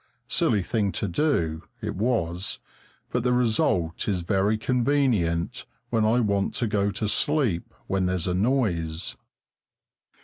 Silly thing to do, it was, but the result is very convenient when I want to go to sleep when there's a noise.